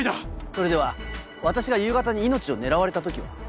それでは私が夕方に命を狙われた時は？